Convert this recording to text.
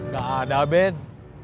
gak ada ben